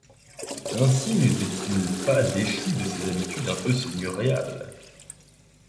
Ainsi n'était-il pas déchu de ses habitudes un peu seigneuriales.